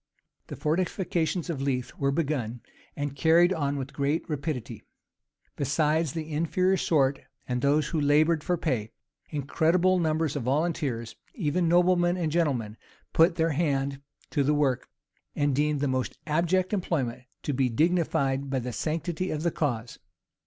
[*] The fortifications of Leith were begun and carried on with great rapidity. Besides the inferior sort, and those who labored for pay, incredible numbers of volunteers, even noblemen and gentlemen, put their hand to the work, and deemed the most abject employment to be dignified by the sanctity of the cause.